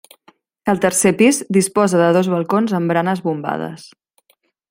El tercer pis disposa de dos balcons amb baranes bombades.